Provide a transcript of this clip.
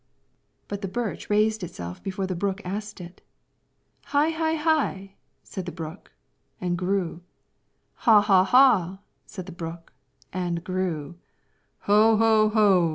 But the birch raised itself before the brook asked it. "Hi, hi, hi!" said the brook, and grew. "Ha, ha, ha!" said the brook, and grew. "Ho, ho, ho!"